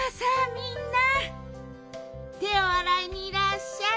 みんなてをあらいにいらっしゃい。